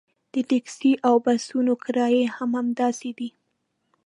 د ټکسي او بسونو کرایې هم همداسې دي.